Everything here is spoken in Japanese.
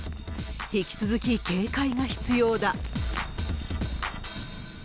引き続き警戒が必要だ。